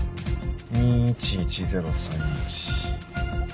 ２１１０３１。